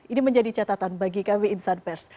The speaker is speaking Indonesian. ini menjadi catatan bagi kami insan pers